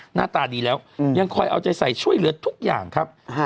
หน้าตาดีแล้วยังคอยเอาใจใส่ช่วยเหลือทุกอย่างครับ